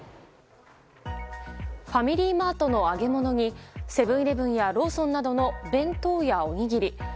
ファミリーマートの揚げ物にセブン‐イレブンやローソンなどの弁当やおにぎり。